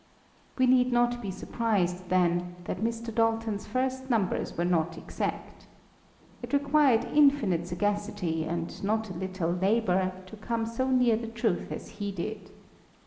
We need not be surprised, then, that Mr. Dalton'a first numbers were not exact. It required infinite sagacity, and not a little labour, to come so near the truth as he did.